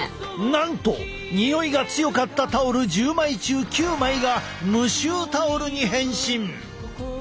なんとにおいが強かったタオル１０枚中９枚が無臭タオルに変身！